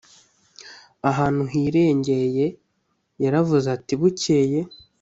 ahantu hirengeye yaravuze ati bukeye